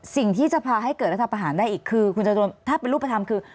สิ่งที่จะพาให้เกิดได้ได้อีกคือคุณโจรนถ้าเป็นรูปธรรมคือ